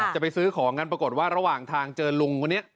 จะไปซื้อของกันปรากฏว่าระหว่างทางเจอลุงคนนี้